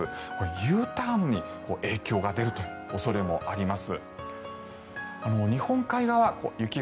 Ｕターンに影響が出る恐れもあります。